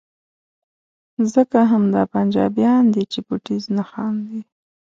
ځکه همدا پنجابیان دي چې په ټیز نه خاندي.